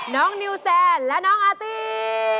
น้องนิวแซนและน้องอาตี